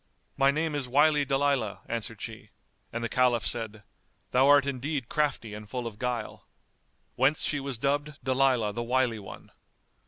"My name is Wily Dalilah," answered she, and the Caliph said "Thou art indeed crafty and full of guile." Whence she was dubbed Dalilah the Wily One.